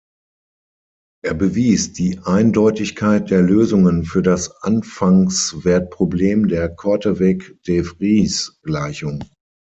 Er bewies die Eindeutigkeit der Lösungen für das Anfangswertproblem der Korteweg-de-Vries-Gleichung.